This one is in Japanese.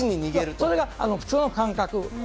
それが普通の感覚。